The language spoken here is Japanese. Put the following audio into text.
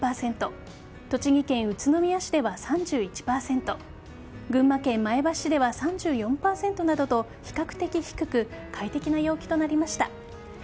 栃木県宇都宮市では３１％群馬県前橋市では３４％などと比較的低く快適な陽気となりました。